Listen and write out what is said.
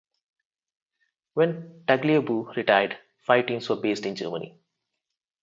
When Tagliabue retired, five teams were based in Germany.